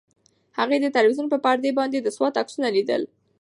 هغې د تلویزیون په پرده باندې د سوات عکسونه لیدل.